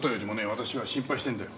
私は心配してるんだよ。